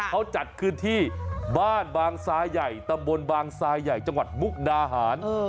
เขาจัดขึ้นที่บ้านบางซาใหญ่ตำบลบางทรายใหญ่จังหวัดมุกดาหาร